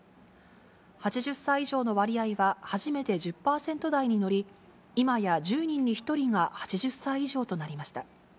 ８０歳以上の割合は初めて１０％台に乗り、今や１０人に１人が８０歳以上となりました。